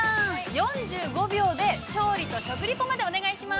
４５秒で調理と食リポまでお願いします。